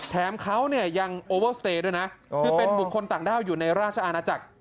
แถมเขาเนี่ยยังโอเวอร์สเตย์ด้วยนะคือเป็นบุคคลต่างด้าวอยู่ในราชอาณาจักร